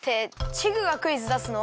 チグがクイズだすの？